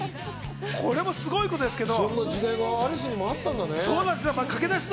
これもすごいことですけど。